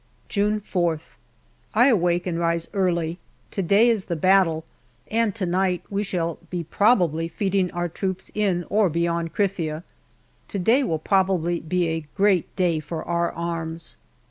JUNE 119 June 4 th. I awake and rise early. To day is the battle, and to night we shall be probably feeding our troops in or beyond Krithia. To day will probably be a great day for our arms.